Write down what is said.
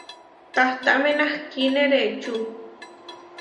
Tahtáme nahkíne reʼečú.